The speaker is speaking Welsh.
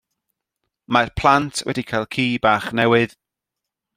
Mae'r plant wedi cael ci bach newydd.